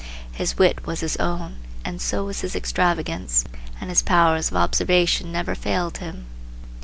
His wit was his own, and so was his extravagance, and his powers of observation never failed him.